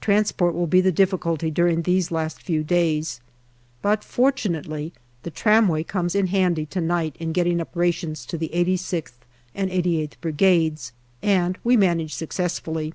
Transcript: Transport will be the difficulty during these last few days, but fortunately the tramway comes in handy to night in getting up rations to the 86th and 88th Brigades, and we manage successfully.